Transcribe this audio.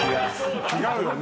違うよね？